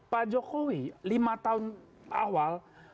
pak jokowi lima tahun awal